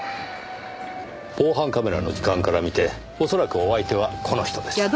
防犯カメラの時間から見て恐らくお相手はこの人です。